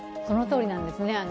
そのとおりなんですね。